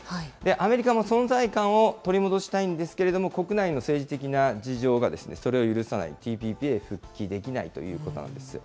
アメリカも存在感を取り戻したいんですけれども、国内の政治的な事情が、それを許さない、ＴＰＰへ復帰できないということなんです。